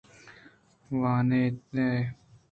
وان ایت ئِے، شود ایت ئِے ءُ گْراد ایت ئِے۔